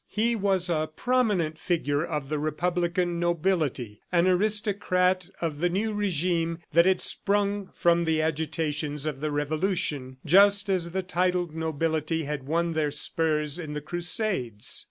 He was a prominent figure of the republican nobility, an aristocrat of the new regime that had sprung from the agitations of the Revolution, just as the titled nobility had won their spurs in the Crusades.